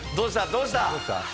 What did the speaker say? どうした？